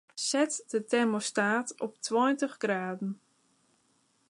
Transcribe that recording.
Set de termostaat op tweintich graden.